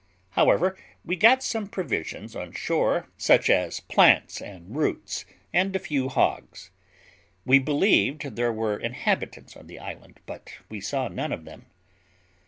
However, we got some provisions on shore, such as plants and roots, and a few hogs. We believed there were inhabitants on the island, but we saw none of them.